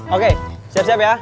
oke siap siap ya